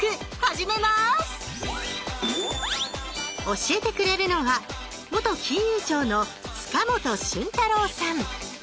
教えてくれるのは元金融庁の塚本俊太郎さん。